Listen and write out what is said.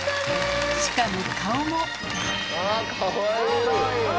しかも顔も。